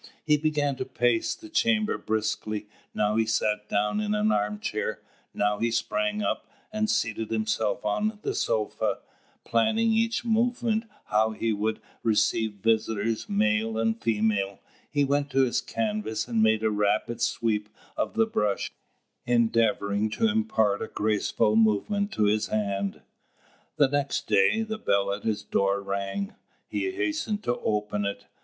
He began to pace the chamber briskly, now he sat down in an armchair, now he sprang up, and seated himself on the sofa, planning each moment how he would receive visitors, male and female; he went to his canvas and made a rapid sweep of the brush, endeavouring to impart a graceful movement to his hand. The next day, the bell at his door rang. He hastened to open it.